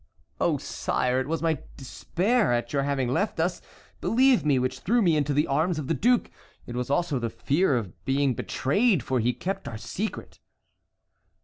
"Oh, sire, it was my despair at your having left us, believe me, which threw me into the arms of the duke; it was also the fear of being betrayed, for he kept our secret."